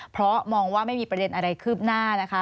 เพราะมองว่าไม่มีประเด็นอะไรคืบหน้านะคะ